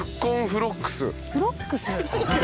フロックス。